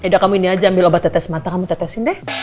beda kamu ini aja ambil obat tetes mata kami tetesin deh